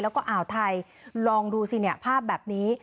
แล้วก็อ่าวไทยลองดูสิเนี่ยภาพแบบนี้